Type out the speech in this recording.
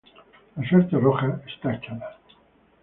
La suerte roja está echada.